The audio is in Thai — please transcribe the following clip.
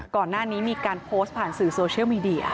ก่อนหน้านี้มีการโพสต์ผ่านสื่อโซเชียลมีเดีย